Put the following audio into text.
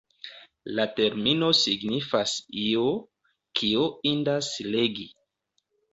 La termino signifas “io, kio indas legi”.